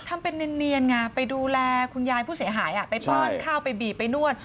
ทำเป็นเนียนไงไปดูแลคุณยายผู้เสียหายไปป้อนข้าวไปบีบไปนวด